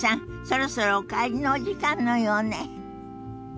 そろそろお帰りのお時間のようね。